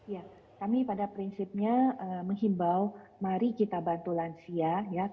ya kami pada prinsipnya menghimbau mari kita bantu lansia